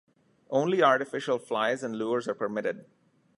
Only artificial flies and lures are permitted.